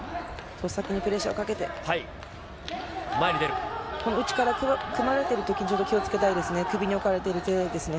先にプレッシャーをかけて、内から組まれている時は気を付けたいですね。